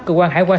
cơ quan hải quan